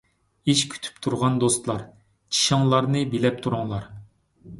ئىش كۈتۈپ تۇرغان دوستلار، چىشىڭلارنى بىلەپ تۇرۇڭلار.